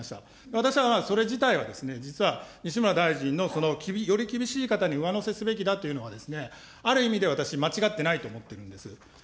私はまあ、それ自体は実は西村大臣のより厳しい方に上乗せすべきだというのは、ある意味で私、間違ってないと思ってるんです。